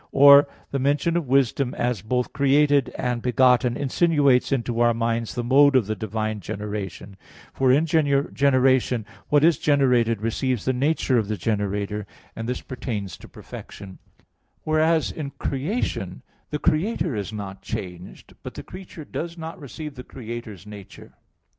Or the mention of wisdom as both created and begotten insinuates into our minds the mode of the divine generation; for in generation what is generated receives the nature of the generator and this pertains to perfection; whereas in creation the Creator is not changed, but the creature does not receive the Creator's nature.